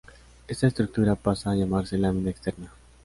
Ésta estructura pasa a llamarse lámina externa.